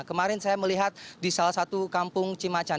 kemarin saya melihat di salah satu kampung cimacan